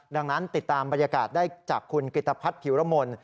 ดังนั้นติดตามบรรยากาศได้จากคุณกิตภัทรผิวรมนต์